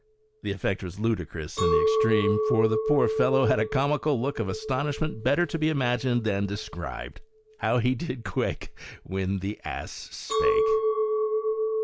The effect was ludicrous in the extreme, for the poor fellow had a comical look of astonish ment better to be imagined than described. How he did quake when the " ass spake!"